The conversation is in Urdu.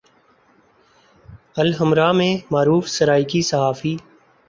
الحمرا میں معروف سرائیکی صحافی